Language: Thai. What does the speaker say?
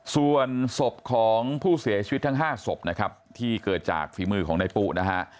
ส่วนศพของผู้เสียชีวิตทั้ง๕ศพนะครับที่เกิดจากฝีมือของนายปุ๊นะฮะ